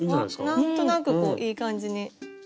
何となくこういい感じに。